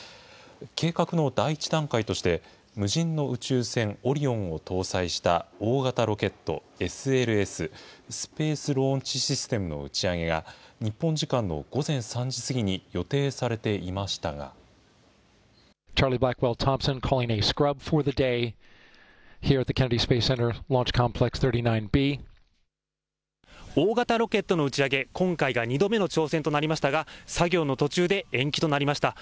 計画の第１段階として、無人の宇宙船オリオンを搭載した大型ロケットＳＬＳ・スペース・ローンチ・システムの打ち上げが、日本時間の午前３時過ぎに予定さ大型ロケットの打ち上げ、今回が２度目の挑戦となりましたが、作業の途中で延期となりました。